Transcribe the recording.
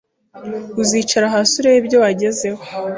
uzicare hasi urebe ibyo wagezeho